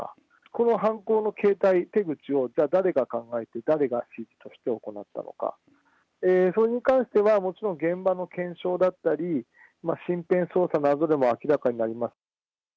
この犯行の形態、手口をじゃあ誰が考えて、誰が行ったのか、それに関しては、もちろん現場の検証だったり、身辺捜査などでも明らかになります。